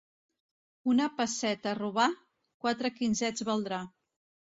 Una pesseta «robà», quatre quinzets valdrà.